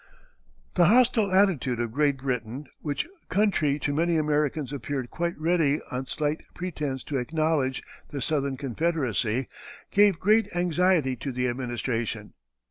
The hostile attitude of Great Britain, which country to many Americans appeared quite ready on slight pretence to acknowledge the Southern Confederacy, gave great anxiety to the administration.